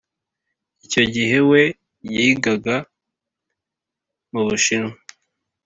Icyo gihe we yigaga mubushinwa